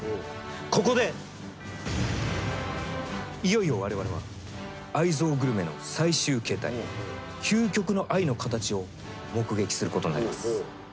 ここでいよいよわれわれは愛憎グルメの最終形態究極の愛の形を目撃することになります。